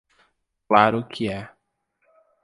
Claro que é.